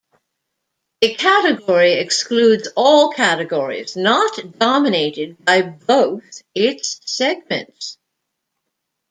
A category excludes all categories not dominated by "both" its segments.